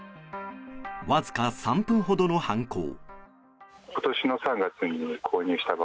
わずか３分ほどの犯行。